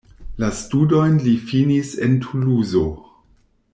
La studojn li finis en Tuluzo.